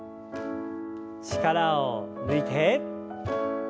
力を抜いて。